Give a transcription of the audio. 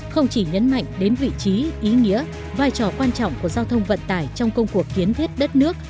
không chỉ nhấn mạnh đến vị trí ý nghĩa vai trò quan trọng của giao thông vận tải trong công cuộc kiến thiết đất nước